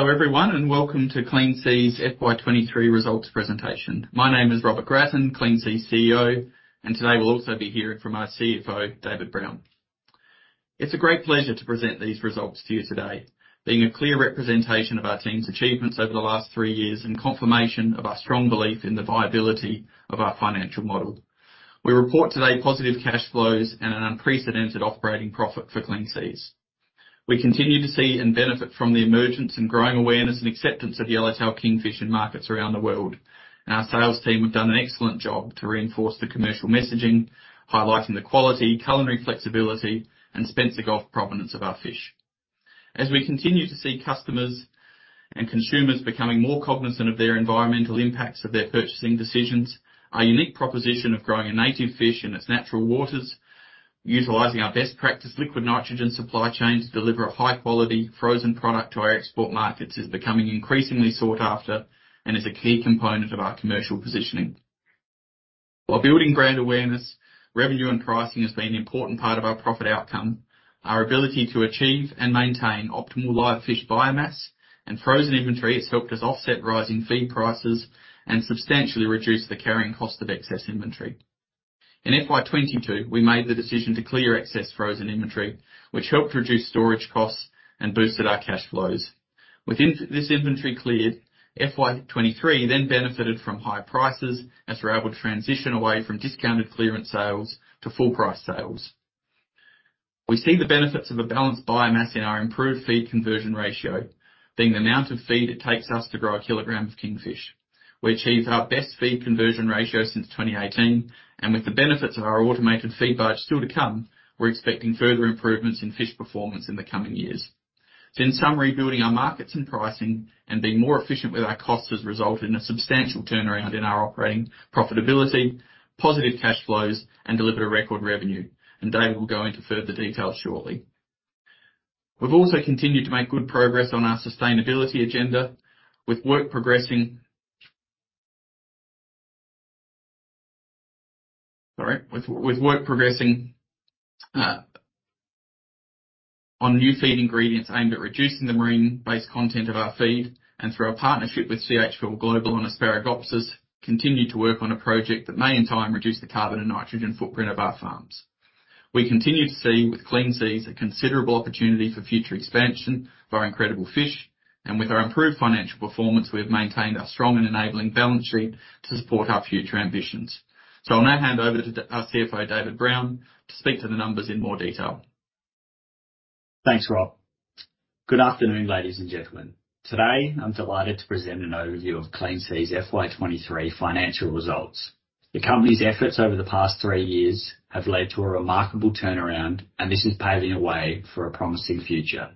Well, hello, everyone, and welcome to Clean Seas FY 2023 Results Presentation. My name is Robert Gratton, Clean Seas CEO, and today we'll also be hearing from our CFO, David Brown. It's a great pleasure to present these results to you today, being a clear representation of our team's achievements over the last three years and confirmation of our strong belief in the viability of our financial model. We report today positive cash flows and an unprecedented operating profit for Clean Seas. We continue to see and benefit from the emergence and growing awareness and acceptance of Yellowtail Kingfish in markets around the world, and our sales team have done an excellent job to reinforce the commercial messaging, highlighting the quality, culinary flexibility, and Spencer Gulf provenance of our fish. As we continue to see customers and consumers becoming more cognizant of their environmental impacts of their purchasing decisions, our unique proposition of growing a native fish in its natural waters, utilizing our best practice, liquid nitrogen supply chain to deliver a high-quality frozen product to our export markets, is becoming increasingly sought after and is a key component of our commercial positioning. While building brand awareness, revenue and pricing has been an important part of our profit outcome, our ability to achieve and maintain optimal live fish biomass and frozen inventory has helped us offset rising feed prices and substantially reduce the carrying cost of excess inventory. In FY 2022, we made the decision to clear excess frozen inventory, which helped reduce storage costs and boosted our cash flows. With this inventory cleared, FY 2023 then benefited from higher prices as we're able to transition away from discounted clearance sales to full price sales. We see the benefits of a balanced biomass in our improved feed conversion ratio, being the amount of feed it takes us to grow a kilogram of Kingfish. We achieved our best feed conversion ratio since 2018, and with the benefits of our automated feed barge still to come, we're expecting further improvements in fish performance in the coming years. So in summary, building our markets and pricing and being more efficient with our costs has resulted in a substantial turnaround in our operating profitability, positive cash flows, and delivered a record revenue, and Dave will go into further details shortly. We've also continued to make good progress on our sustainability agenda, with work progressing... Sorry. With work progressing on new feed ingredients aimed at reducing the marine-based content of our feed, and through our partnership with CH4 Global on Asparagopsis, continue to work on a project that may, in time, reduce the carbon and nitrogen footprint of our farms. We continue to see, with Clean Seas, a considerable opportunity for future expansion of our incredible fish, and with our improved financial performance, we have maintained our strong and enabling balance sheet to support our future ambitions. So I'll now hand over to our CFO, David Brown, to speak to the numbers in more detail. Thanks, Rob. Good afternoon, ladies and gentlemen. Today, I'm delighted to present an overview of Clean Seas' FY 2023 financial results. The company's efforts over the past three years have led to a remarkable turnaround, and this is paving a way for a promising future.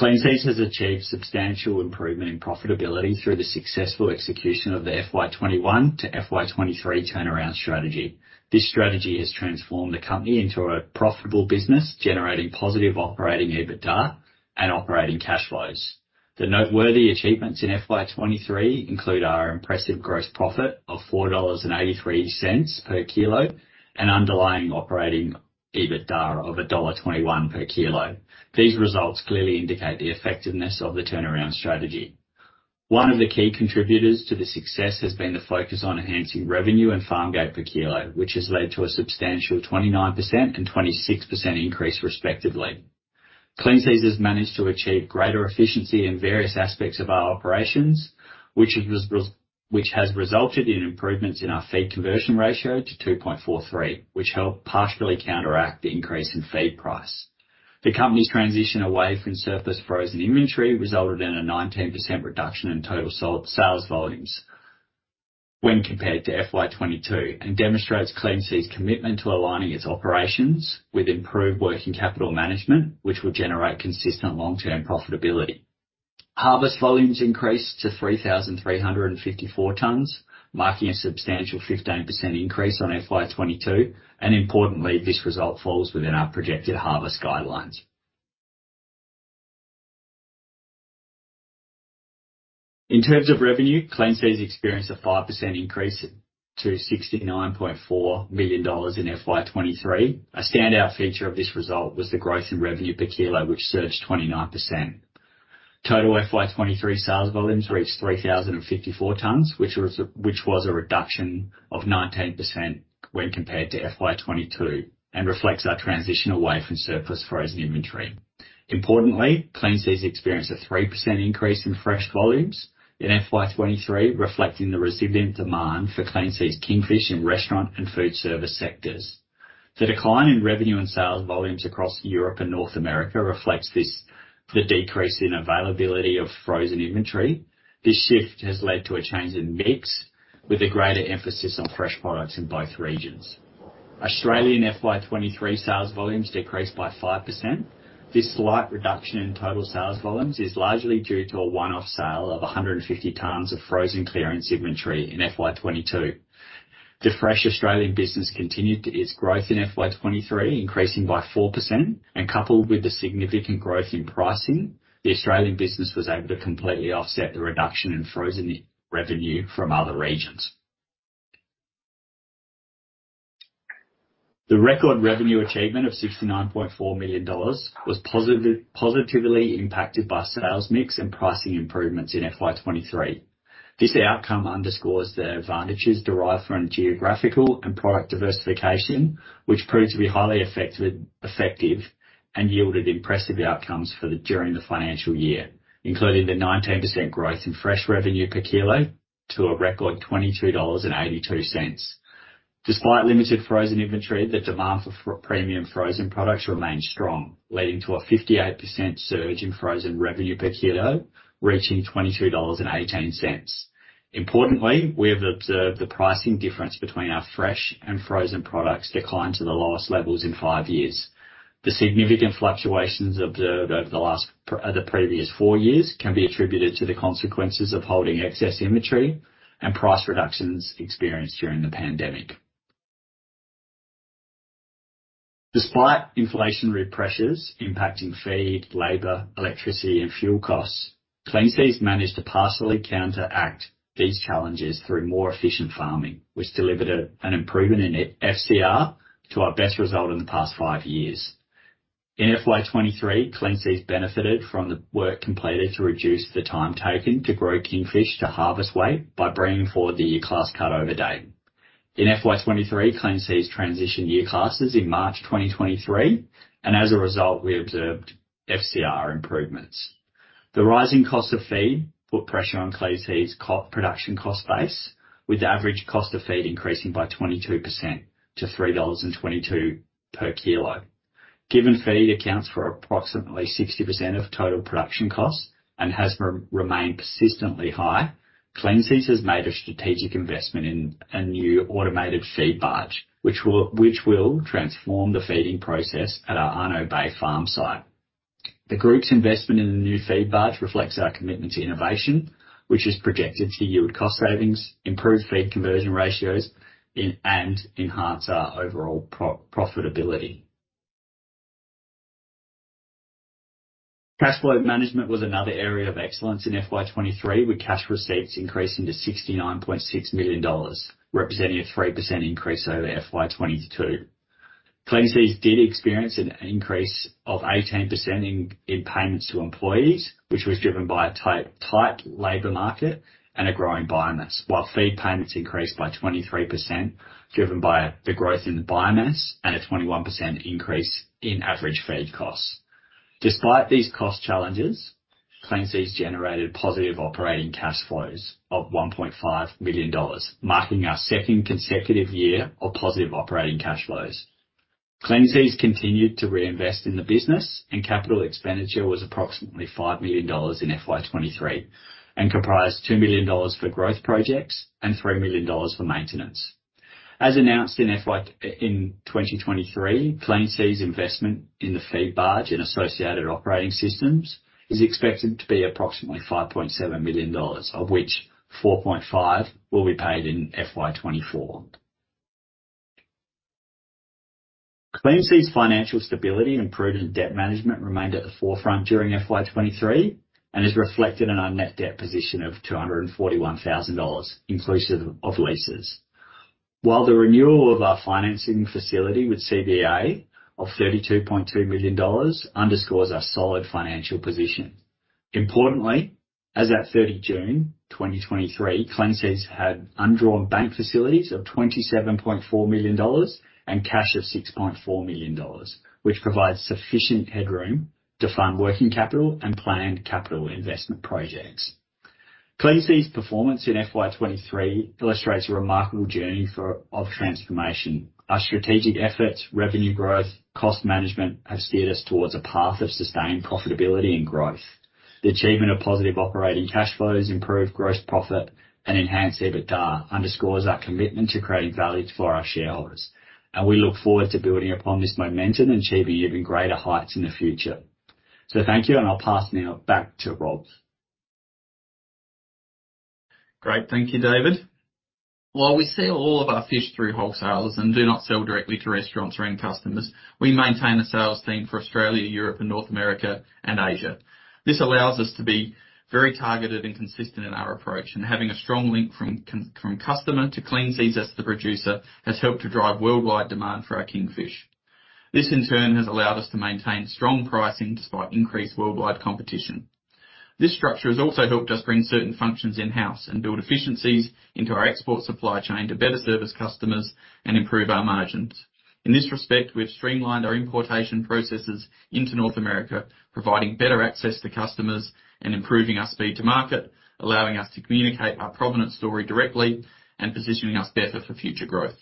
Clean Seas has achieved substantial improvement in profitability through the successful execution of the FY 2021 to FY 2023 turnaround strategy. This strategy has transformed the company into a profitable business, generating positive operating EBITDA and operating cash flows. The noteworthy achievements in FY 2023 include our impressive gross profit of 4.83 dollars/kg and underlying operating EBITDA of dollar 1.21/kg. These results clearly indicate the effectiveness of the turnaround strategy. One of the key contributors to the success has been the focus on enhancing revenue and farm gate per kilo, which has led to a substantial 29% and 26% increase respectively. Clean Seas has managed to achieve greater efficiency in various aspects of our operations, which has resulted in improvements in our feed conversion ratio to 2.43, which helped partially counteract the increase in feed price. The company's transition away from surplus frozen inventory resulted in a 19% reduction in total sales volumes when compared to FY 2022, and demonstrates Clean Seas' commitment to aligning its operations with improved working capital management, which will generate consistent long-term profitability. Harvest volumes increased to 3,354 tons, marking a substantial 15% increase on FY 2022, and importantly, this result falls within our projected harvest guidelines. In terms of revenue, Clean Seas experienced a 5% increase to 69.4 million dollars in FY 2023. A standout feature of this result was the growth in revenue per kilo, which surged 29%. Total FY 2023 sales volumes reached 3,054 tons, which was a reduction of 19% when compared to FY 2022, and reflects our transition away from surplus frozen inventory. Importantly, Clean Seas experienced a 3% increase in fresh volumes in FY 2023, reflecting the resilient demand for Clean Seas Kingfish in restaurant and food service sectors. The decline in revenue and sales volumes across Europe and North America reflects this, the decrease in availability of frozen inventory. This shift has led to a change in mix, with a greater emphasis on fresh products in both regions. Australian FY 2023 sales volumes decreased by 5%. This slight reduction intotal sales volumes is largely due to a one-off sale of 150 tons of frozen clearance inventory in FY 2022. The fresh Australian business continued its growth in FY 2023, increasing by 4%, and coupled with the significant growth in pricing, the Australian business was able to completely offset the reduction in frozen revenue from other regions. The record revenue achievement of 69.4 million dollars was positively impacted by sales mix and pricing improvements in FY 2023. This outcome underscores the advantages derived from geographical and product diversification, which proved to be highly effective and yielded impressive outcomes during the financial year, including the 19% growth in fresh revenue per kilo to a record 22.82 dollars. Despite limited frozen inventory, the demand for premium frozen products remained strong, leading to a 58% surge in frozen revenue per kilo, reaching AUD 22.18. Importantly, we have observed the pricing difference between our fresh and frozen products decline to the lowest levels in five years. The significant fluctuations observed over the last, the previous four years can be attributed to the consequences of holding excess inventory and price reductions experienced during the pandemic. Despite inflationary pressures impacting feed, labor, electricity, and fuel costs, Clean Seas managed to partially counteract these challenges through more efficient farming, which delivered an improvement in FCR to our best result in the past five years. In FY 2023, Clean Seas benefited from the work completed to reduce the time taken to grow Kingfish to harvest weight by bringing forward the class cut-over date. In FY 2023, Clean Seas transitioned year classes in March 2023, and as a result, we observed FCR improvements. The rising cost of feed put pressure on Clean Seas' production cost base, with the average cost of feed increasing by 22% to 3.22 dollars/kg. Given feed accounts for approximately 60% of total production costs and has remained persistently high, Clean Seas has made a strategic investment in a new automated feed barge, which will transform the feeding process at our Arno Bay farm site. The group's investment in the new feed barge reflects our commitment to innovation, which is projected to yield cost savings, improve feed conversion ratios, and enhance our overall profitability. Cash flow management was another area of excellence in FY 2023, with cash receipts increasing to 69.6 million dollars, representing a 3% increase over FY 2022. Clean Seas did experience an increase of 18% in payments to employees, which was driven by a tight labor market and a growing biomass. While feed payments increased by 23%, driven by the growth in the biomass and a 21% increase in average feed costs. Despite these cost challenges, Clean Seas generated positive operating cash flows of 1.5 million dollars, marking our second consecutive year of positive operating cash flows. Clean Seas continued to reinvest in the business, and capital expenditure was approximately 5 million dollars in FY 2023, and comprised 2 million dollars for growth projects and 3 million dollars for maintenance. As announced in FY 2023, Clean Seas' investment in the feed barge and associated operating systems is expected to be approximately 5.7 million dollars, of which 4.5 million will be paid in FY 2024. Clean Seas' financial stability and prudent debt management remained at the forefront during FY 2023 and has reflected in our net debt position of 241,000 dollars, inclusive of leases. While the renewal of our financing facility with CBA of 32.2 million dollars underscores our solid financial position. Importantly, as at 30 June 2023, Clean Seas had undrawn bank facilities of 27.4 million dollars and cash of 6.4 million dollars, which provides sufficient headroom to fund working capital and planned capital investment projects. Clean Seas' performance in FY 2023 illustrates a remarkable journey of transformation. Our strategic efforts, revenue growth, cost management, have steered us towards a path of sustained profitability and growth. The achievement of positive operating cash flows, improved gross profit, and enhanced EBITDA underscores our commitment to creating value for our shareholders, and we look forward to building upon this momentum and achieving even greater heights in the future. So thank you, and I'll pass now back to Rob. Great. Thank you, David. While we sell all of our fish through wholesalers and do not sell directly to restaurants or end customers, we maintain a sales team for Australia, Europe, and North America and Asia. This allows us to be very targeted and consistent in our approach, and having a strong link from customer to Clean Seas, as the producer, has helped to drive worldwide demand for our Kingfish. This, in turn, has allowed us to maintain strong pricing despite increased worldwide competition. This structure has also helped us bring certain functions in-house and build efficiencies into our export supply chain to better service customers and improve our margins. In this respect, we've streamlined our importation processes into North America, providing better access to customers and improving our speed to market, allowing us to communicate our provenance story directly and positioning us better for future growth.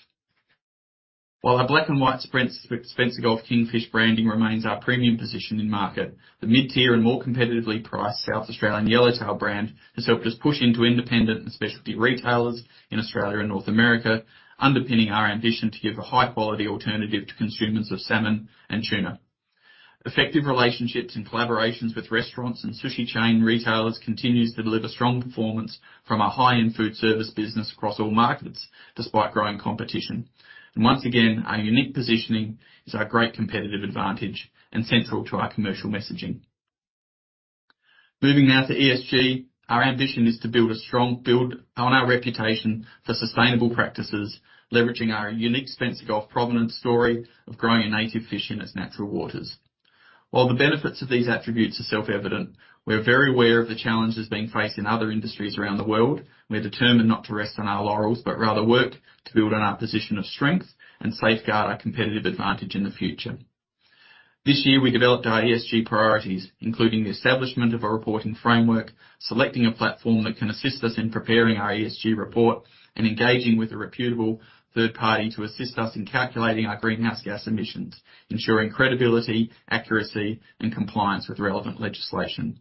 While our black and white Spencer Gulf Kingfish branding remains our premium position in market, the mid-tier and more competitively priced South Australian Yellowtail brand has helped us push into independent and specialty retailers in Australia and North America, underpinning our ambition to give a high-quality alternative to consumers of salmon and tuna. Effective relationships and collaborations with restaurants and sushi chain retailers continues to deliver strong performance from our high-end food service business across all markets, despite growing competition. And once again, our unique positioning is our great competitive advantage and central to our commercial messaging. Moving now to ESG. Our ambition is to build a strong on our reputation for sustainable practices, leveraging our unique Spencer Gulf provenance story of growing a native fish in its natural waters. While the benefits of these attributes are self-evident, we are very aware of the challenges being faced in other industries around the world. We are determined not to rest on our laurels, but rather work to build on our position of strength and safeguard our competitive advantage in the future. This year, we developed our ESG priorities, including the establishment of a reporting framework, selecting a platform that can assist us in preparing our ESG report, and engaging with a reputable third party to assist us in calculating our greenhouse gas emissions, ensuring credibility, accuracy, and compliance with relevant legislation.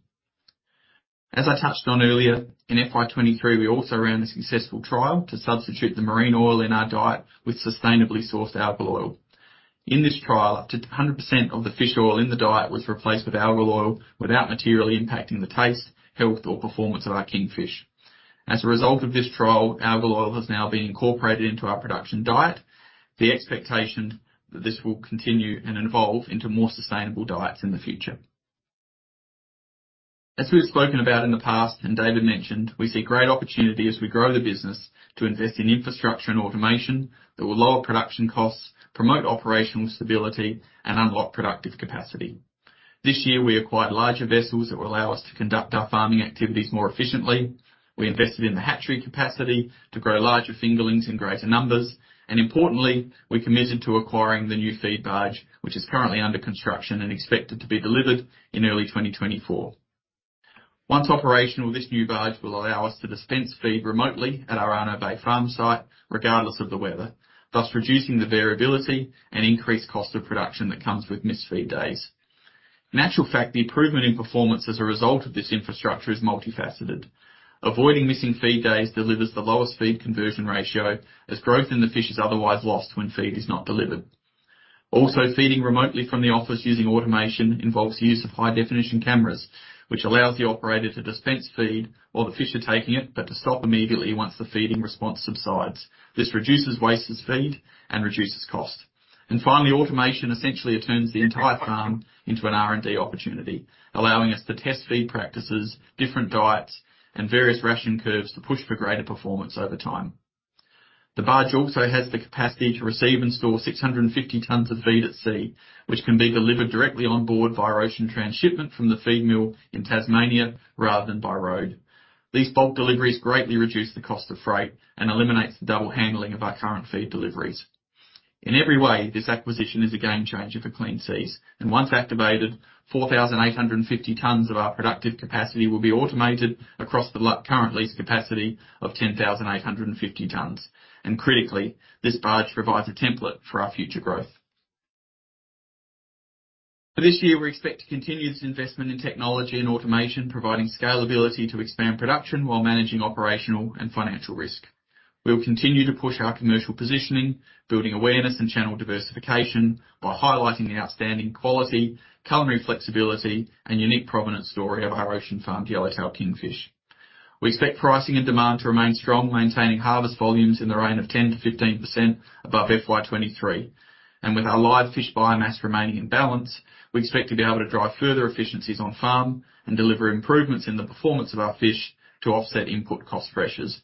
As I touched on earlier, in FY 2023, we also ran a successful trial to substitute the marine oil in our diet with sustainably sourced algal oil. In this trial, up to 100% of the fish oil in the diet was replaced with algal oil without materially impacting the taste, health, or performance of our Kingfish. As a result of this trial, algal oil has now been incorporated into our production diet. The expectation that this will continue and evolve into more sustainable diets in the future. As we've spoken about in the past, and David mentioned, we see great opportunity as we grow the business to invest in infrastructure and automation that will lower production costs, promote operational stability, and unlock productive capacity. This year, we acquired larger vessels that will allow us to conduct our farming activities more efficiently. We invested in the hatchery capacity to grow larger fingerlings in greater numbers, and importantly, we committed to acquiring the new feed barge, which is currently under construction and expected to be delivered in early 2024. Once operational, this new barge will allow us to dispense feed remotely at our Arno Bay farm site, regardless of the weather, thus reducing the variability and increased cost of production that comes with missed feed days. In actual fact, the improvement in performance as a result of this infrastructure is multifaceted. Avoiding missing feed days delivers the lowest feed conversion ratio, as growth in the fish is otherwise lost when feed is not delivered. Also, feeding remotely from the office using automation involves use of high-definition cameras, which allows the operator to dispense feed while the fish are taking it, but to stop immediately once the feeding response subsides. This reduces wasted feed and reduces cost. And finally, automation essentially turns the entire farm into an R&D opportunity, allowing us to test feed practices, different diets, and various ration curves to push for greater performance over time. The barge also has the capacity to receive and store 650 tons of feed at sea, which can be delivered directly on board via ocean transshipment from the feed mill in Tasmania rather than by road. These bulk deliveries greatly reduce the cost of freight and eliminates the double handling of our current feed deliveries. In every way, this acquisition is a game changer for Clean Seas, and once activated, 4,850 tons of our productive capacity will be automated across the current lease capacity of 10,850 tons. And critically, this barge provides a template for our future growth. This year, we expect to continue this investment in technology and automation, providing scalability to expand production while managing operational and financial risk. We will continue to push our commercial positioning, building awareness and channel diversification by highlighting the outstanding quality, culinary flexibility, and unique provenance story of our ocean farmed Yellowtail Kingfish. We expect pricing and demand to remain strong, maintaining harvest volumes in the range of 10%-15% above FY 2023. And with our live fish biomass remaining in balance, we expect to be able to drive further efficiencies on farm and deliver improvements in the performance of our fish to offset input cost pressures.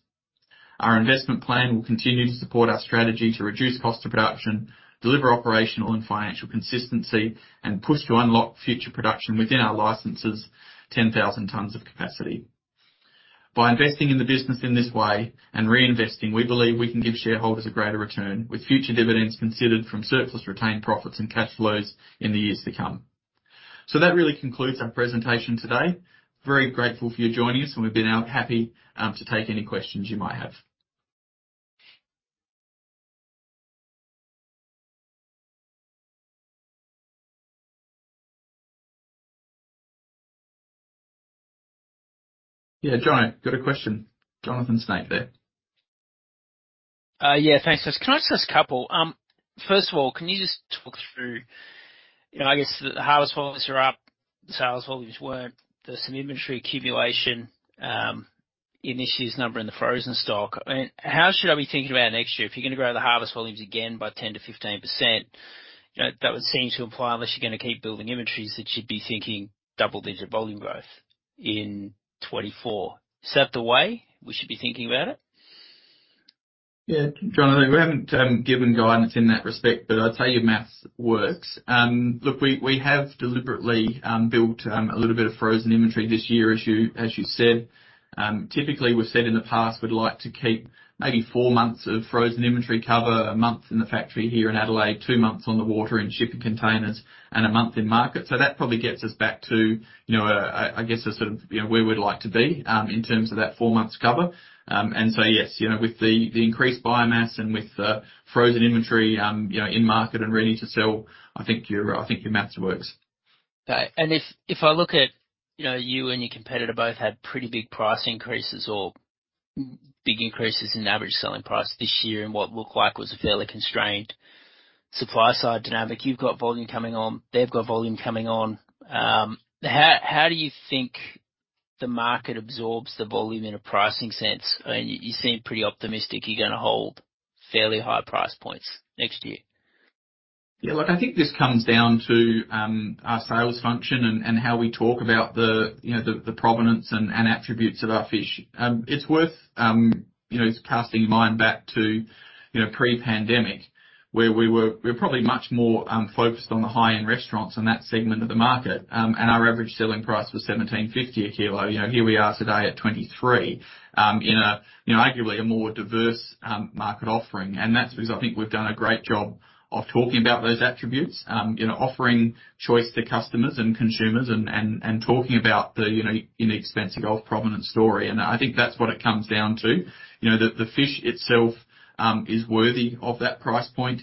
Our investment plan will continue to support our strategy to reduce cost of production, deliver operational and financial consistency, and push to unlock future production within our licenses, 10,000 tons of capacity. By investing in the business in this way and reinvesting, we believe we can give shareholders a greater return, with future dividends considered from surplus retained profits and cash flows in the years to come. So that really concludes our presentation today. Very grateful for you joining us, and we've been happy to take any questions you might have. Yeah, John, got a question? Jonathan Snape there. Yeah, thanks. Can I ask just a couple? First of all, can you just talk through, you know, I guess the harvest volumes are up, sales volumes weren't. There's some inventory accumulation in this year's number in the frozen stock. I mean, how should I be thinking about next year? If you're going to grow the harvest volumes again by 10%-15%, you know, that would seem to imply, unless you're going to keep building inventories, that you'd be thinking double-digit volume growth in 2024. Is that the way we should be thinking about it? Yeah, Jonathan, we haven't given guidance in that respect, but I'd say your math works. Look, we have deliberately built a little bit of frozen inventory this year, as you said. Typically, we've said in the past we'd like to keep maybe four months of frozen inventory cover, a month in the factory here in Adelaide, two months on the water in shipping containers, and a month in market. So that probably gets us back to, you know, I guess, a sort of, you know, where we'd like to be in terms of that four months cover. And so, yes, you know, with the increased biomass and with the frozen inventory, you know, in market and ready to sell, I think your math works. Okay. And if I look at, you know, you and your competitor both had pretty big price increases or big increases in average selling price this year in what looked like was a fairly constrained supply side dynamic. You've got volume coming on, they've got volume coming on. How do you think the market absorbs the volume in a pricing sense? I mean, you seem pretty optimistic you're going to hold fairly high price points next year.... Yeah, look, I think this comes down to our sales function and how we talk about the, you know, the provenance and attributes of our fish. It's worth, you know, casting mind back to, you know, pre-pandemic, where we were probably much more focused on the high-end restaurants and that segment of the market. And our average selling price was 17.50 a kg. You know, here we are today at 23 in a, you know, arguably a more diverse market offering. And that's because I think we've done a great job of talking about those attributes, you know, offering choice to customers and consumers and talking about the, you know, Spencer Gulf provenance story. And I think that's what it comes down to. You know, the fish itself is worthy of that price point,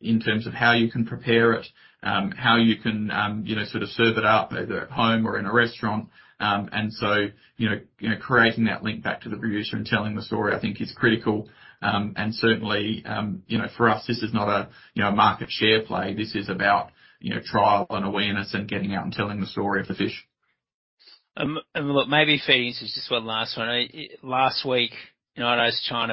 in terms of how you can prepare it, how you can, you know, sort of serve it up, either at home or in a restaurant. And so, you know, creating that link back to the producer and telling the story, I think is critical. And certainly, you know, for us, this is not a, you know, a market share play. This is about, you know, trial and awareness and getting out and telling the story of the fish. And look, maybe feeding into this just one last one. Last week, China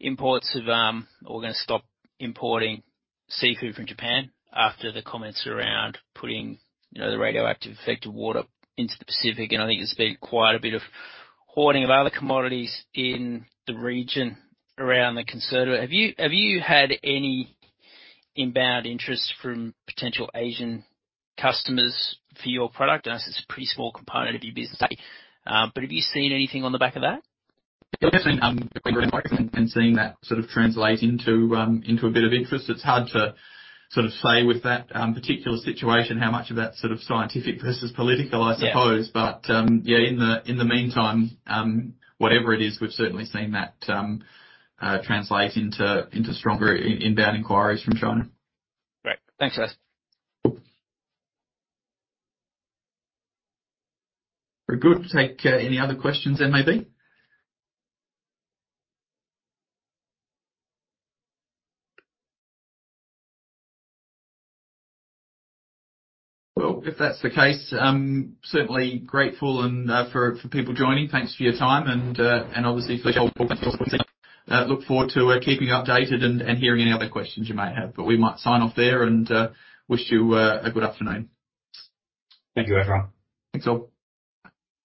banned imports of... or we're going to stop importing seafood from Japan after the comments around putting, you know, the radioactive affected water into the Pacific. And I think there's been quite a bit of hoarding of other commodities in the region around the coronavirus. Have you had any inbound interest from potential Asian customers for your product? I know this is a pretty small component of your business, but have you seen anything on the back of that? Yeah, definitely. And seeing that sort of translate into a bit of interest, it's hard to sort of say with that particular situation, how much of that sort of scientific versus political, I suppose. Yeah. But yeah, in the meantime, whatever it is, we've certainly seen that translate into stronger inbound inquiries from China. Great. Thanks, guys. Very good. Take any other questions there may be? Well, if that's the case, certainly grateful and for people joining. Thanks for your time and obviously look forward to keeping you updated and hearing any other questions you may have. But we might sign off there and wish you a good afternoon. Thank you, everyone. Thanks, all.